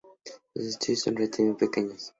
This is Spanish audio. Los estudios son relativamente pequeños.